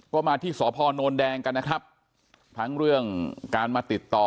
ก็มาที่สพนแดงกันนะครับทั้งเรื่องการมาติดต่อ